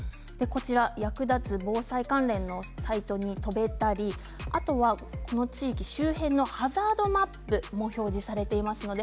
役立つ防災関連のサイトに飛べたりこの地域周辺のハザードマップも表示されています。